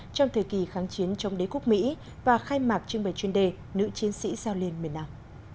trong thời kỳ kháng chiến trong đế quốc mỹ và khai mạc trưng bày chuyên đề nữ chiến sĩ sao liên miền nam